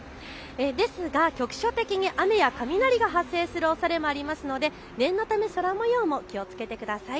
ですが局所的に雨や雷が発生するおそれもありますので念のため空もようも気をつけてください。